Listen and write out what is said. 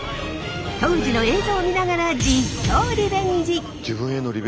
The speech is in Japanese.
当時の映像を見ながら実況リベンジ！